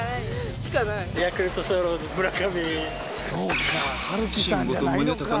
ヤクルトスワローズの村上。